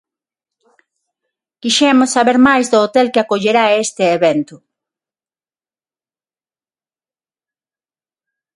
Quixemos saber máis do hotel que acollerá este evento.